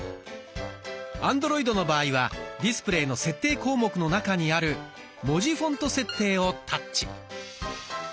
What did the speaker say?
アンドロイドの場合はディスプレイの設定項目の中にある「文字フォント設定」をタッチ。